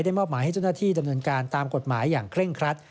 มอบหมายให้เจ้าหน้าที่ดำเนินการตามกฎหมายอย่างเคร่งครัด